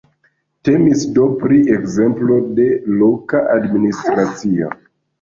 Temis do pri ekzemplo de loka administracio.